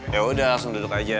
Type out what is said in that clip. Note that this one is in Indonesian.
ya udah langsung duduk aja